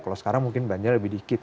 kalau sekarang mungkin belanja lebih dikit